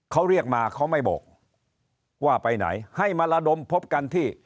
เขาเรียกมาเขาไม่บอกว่าไปไหนให้มาระดมพบกันที่